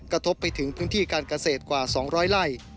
กระทบไปถึงพื้นที่การเกษตรกว่า๒๐๐ไร่